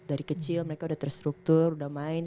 dari kecil mereka udah terstruktur udah main